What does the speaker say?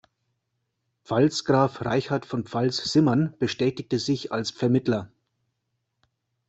Pfalzgraf Reichard von Pfalz-Simmern betätigte sich als Vermittler.